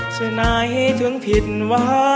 ใช่ไหมถึงผิดว่า